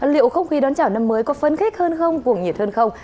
liệu không khí đón chào năm mới có phấn khích hơn không cuồng nhiệt hơn không